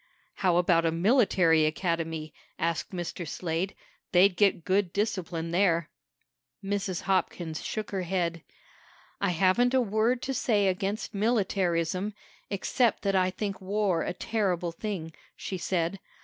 "How about a military academy?" asked Mr. Slade. "They'd get good discipline there." Mrs. Hopkins shook her head. "I haven't a word to say against militarism, except that I think war a terrible thing," she said.